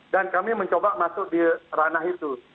dan kami mencoba masuk di ranah itu